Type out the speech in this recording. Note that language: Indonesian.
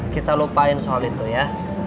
kita lupain soal itu ya